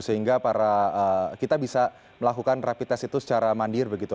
sehingga kita bisa melakukan rapi tes itu secara mandir begitu